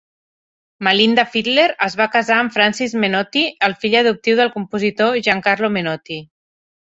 Malinda Fitler es va casar amb Francis Menotti, el fill adoptiu del compositor Gian Carlo Menotti.